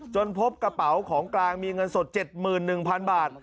พบกระเป๋าของกลางมีเงินสด๗๑๐๐๐บาท